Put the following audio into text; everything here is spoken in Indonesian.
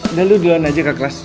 udah lu duluan aja kak kelas